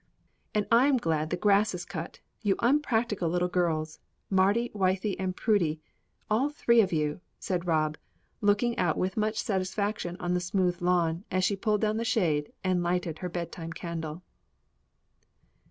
"And I am glad the grass is cut, you unpractical little girls, Mardy, Wythie, and Prudy, all three of you," said Rob, looking out with much satisfaction on the smooth lawn as she pulled down the shade and lighted her bedtime candle.